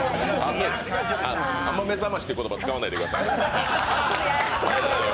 あんま「目覚まし」という言葉を使わないでください。